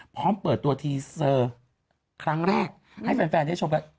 พร้อมเปิดตัวทีเซอร์ครั้งแรกให้แฟนได้ชมกัน